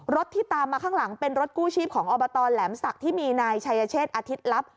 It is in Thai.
ที่ตามมาข้างหลังเป็นรถกู้ชีพของอบตแหลมศักดิ์ที่มีนายชัยเชศอาทิตย์ลับ